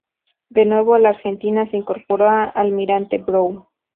De nuevo en la Argentina, se incorporó a Almirante Brown.